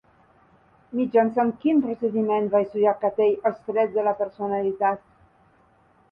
Mitjançant quin procediment va estudiar Cattell els trets de la personalitat?